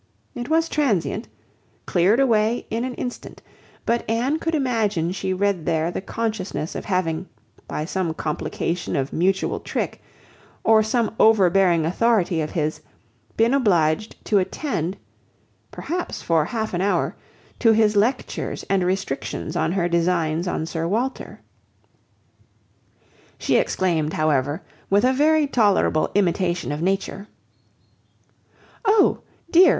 It was transient: cleared away in an instant; but Anne could imagine she read there the consciousness of having, by some complication of mutual trick, or some overbearing authority of his, been obliged to attend (perhaps for half an hour) to his lectures and restrictions on her designs on Sir Walter. She exclaimed, however, with a very tolerable imitation of nature:— "Oh! dear!